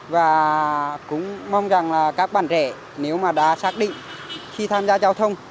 và cũng mong rằng là các bạn trẻ nếu mà đã xác định khi tham gia giao thông